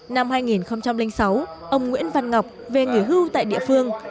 năm hai nghìn sáu ông nguyễn văn ngọc về nghỉ hưu tại địa phương